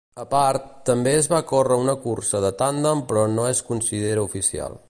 A part, també es va córrer una cursa de tàndem però no es considera oficial.